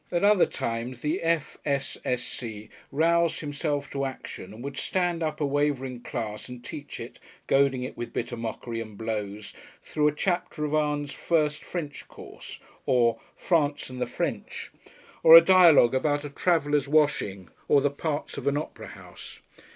At other times the F.S.Sc. roused himself to action, and would stand up a wavering class and teach it, goading it with bitter mockery and blows through a chapter of Ann's "First French Course," or "France and the French," or a Dialogue about a traveller's washing, or the parts of an opera house.